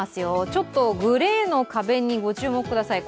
ちょっとグレーの壁にご注目ください。